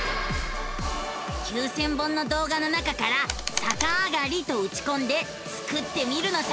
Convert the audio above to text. ９，０００本の動画の中から「さかあがり」とうちこんでスクってみるのさ！